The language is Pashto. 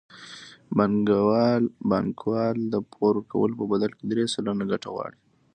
بانکوال د پور ورکولو په بدل کې درې سلنه ګټه غواړي